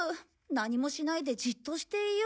何もしないでじっとしていよう。